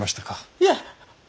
いえ！